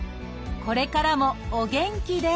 これからもお元気で！